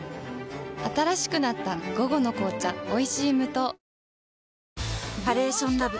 新しくなった「午後の紅茶おいしい無糖」